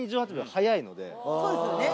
そうですよね。